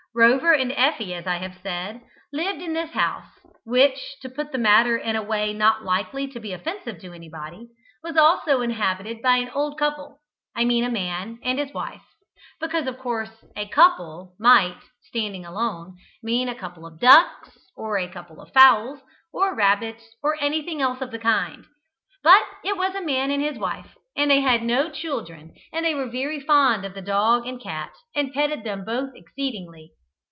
Rover and Effie, as I have said, lived in this house, which, to put the matter in a way not likely to be offensive to anybody, was also inhabited by an old couple I mean a man and his wife; because, of course, "a couple" might, standing alone, mean a couple of ducks, or a couple of fowls, or rabbits, or anything else of the kind. But it was a man and his wife, and they had no children, and they were very fond of the dog and cat, and petted them both exceedingly.